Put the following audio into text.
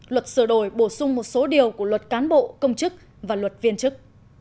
luật sửa đổi bổ sung một số điều của luật cán bộ công chức và luật viên chức